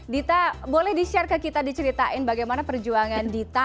dita boleh di share ke kita diceritain bagaimana perjuangan dita